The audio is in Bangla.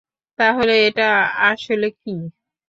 তাহলে এটা আসলে কী?